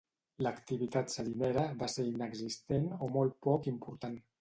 L'activitat salinera va ser inexistent o molt poc important.